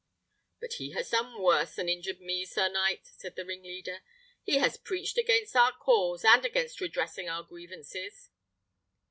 "But he has done worse than injured me, sir knight," said the ringleader; "he has preached against our cause, and against redressing our grievances."